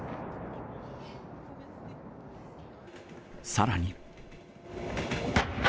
さらに。